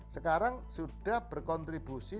sekarang sudah berkontribusi satu